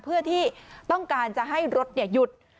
เพื่อที่ต้องการจะให้รถหยุด